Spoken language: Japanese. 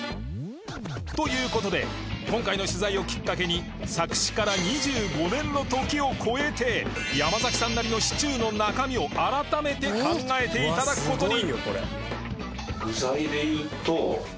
という事で今回の取材をきっかけに作詞から２５年の時を超えて山崎さんなりのシチューの中身を改めて考えて頂く事に